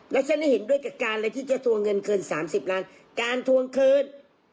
แล้วฉันเห็นด้วยกับการที่จะทวงเงินเกินสามสิบล้านการทวงคืน